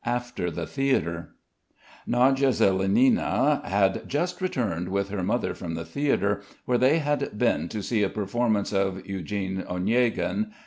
AFTER THE THEATRE Nadya Zelenina had just returned with her mother from the theatre, where they had been to see a performance of "Eugene Oniegin."